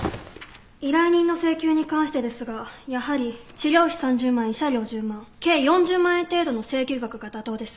依頼人の請求に関してですがやはり治療費３０万慰謝料１０万計４０万円程度の請求額が妥当です。